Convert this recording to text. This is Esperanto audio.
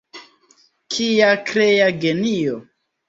Kia krea genio!